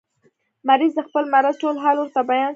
مریض د خپل مرض ټول حال ورته بیان کړ.